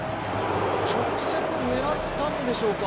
直接狙ったんでしょうか。